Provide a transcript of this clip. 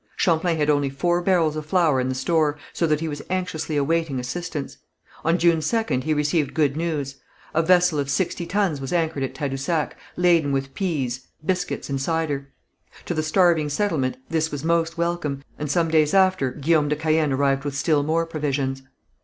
Champlain had only four barrels of flour in the store, so that he was anxiously awaiting assistance. On June 2nd he received good news. A vessel of sixty tons was anchored at Tadousac, laden with pease, biscuits and cider. To the starving settlement this was most welcome, and some days after Guillaume de Caën arrived with still more provisions.